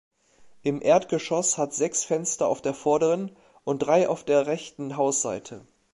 Im Erdgeschoss hat sechs Fenster auf der vorderen und drei auf der rechten Hausseite.